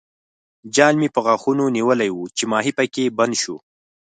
جال مې په غاښونو نیولی وو چې ماهي پکې بند شو.